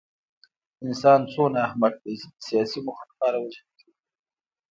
انسان څومره احمق دی چې د سیاسي موخو لپاره وژل کوي